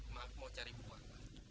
mas mau cari buku apa